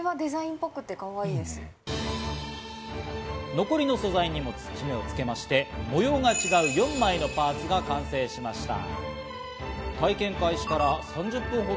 残りの素材にも槌目をつけまして、模様が違う４枚のパーツが完成しました。